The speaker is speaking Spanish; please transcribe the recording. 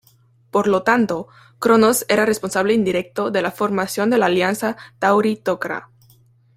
Por lo tanto, Cronos era responsable indirecto de la formación de la alianza Tau'ri-Tok'ra.